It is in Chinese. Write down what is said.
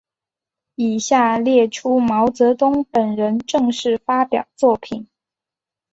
以下列出毛泽东本人正式发表作品。